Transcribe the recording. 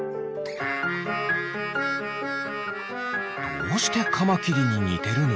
どうしてカマキリににてるの？